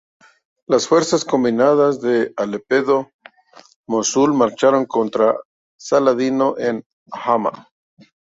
Las fuerzas combinadas de Alepo y Mosul marcharon contra Saladino en Hama.